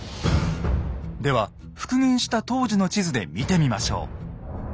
では復元した当時の地図で見てみましょう。